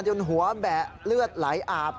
หัวแบะเลือดไหลอาบ